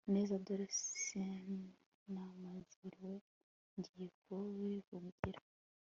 neza dore sinamazimwe ngiye kubivugira